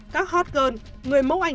các hot girl người mẫu ảnh